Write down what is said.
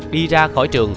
đi ra khỏi trường